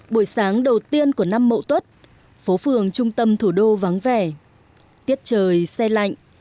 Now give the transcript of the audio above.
buổi sáng đầu tiên của năm mậu tuất phố phường trung tâm thủ đô vắng vẻ tiết trời xe lạnh